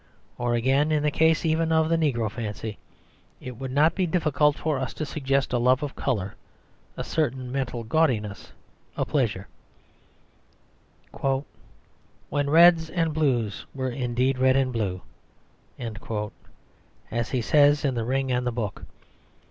Or again, in the case even of the negro fancy; it would not be difficult for us to suggest a love of colour, a certain mental gaudiness, a pleasure "When reds and blues were indeed red and blue," as he says in The Ring and the Book.